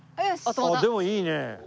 でもいいね！